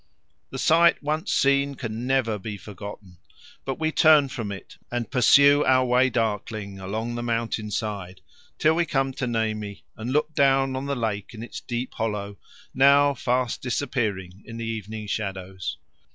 The sight once seen can never be forgotten, but we turn from it and pursue our way darkling along the mountain side, till we come to Nemi and look down on the lake in its deep hollow, now fast disappearing in the evening shadows.